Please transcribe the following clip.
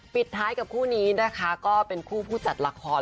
ปิดท้ายกับคู่นี้นะคะก็เป็นคู่ผู้จัดละคร